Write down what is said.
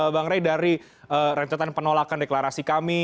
bang rey dari rentetan penolakan deklarasi kami